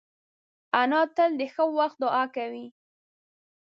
انا تل د ښه وخت دعا کوي